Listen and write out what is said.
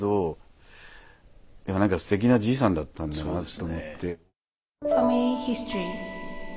でも何かすてきなじいさんだったんだなと思って。